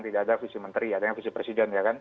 tidak ada visi menteri hanya ada visi presiden